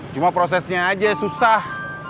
cuma prosesnya aja susah